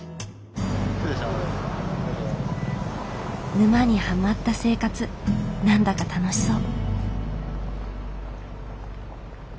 沼にハマった生活何だか楽しそう。